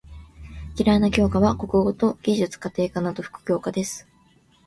嫌いな教科は国語と技術・家庭科など副教科です。